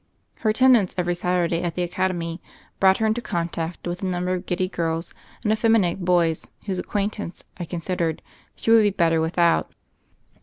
Her attendance every Saturday at the academy brought her into contact with a number of giddy girls and effeminate boys whose acquaintance, I considered, she would be better without.